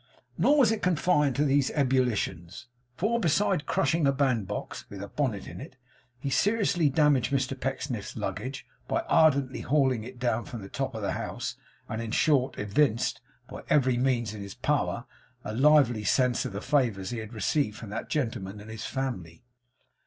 Nor was it confined to these ebullitions; for besides crushing a bandbox, with a bonnet in it, he seriously damaged Mr Pecksniff's luggage, by ardently hauling it down from the top of the house; and in short evinced, by every means in his power, a lively sense of the favours he had received from that gentleman and his family.